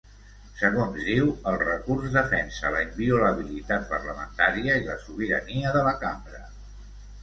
Segons diu, el recurs defensa la inviolabilitat parlamentària i la sobirania de la cambra.